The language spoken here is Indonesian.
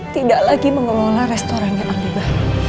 tidak lagi mengelola restorannya aliba